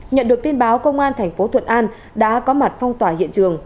nhận được tin báo công an tp thuận an đã có mặt phong tỏa hiện trường